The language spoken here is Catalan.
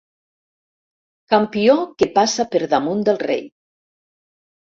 Campió que passa per damunt del rei.